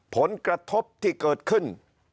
ผลกระทบที่เกิดขึ้น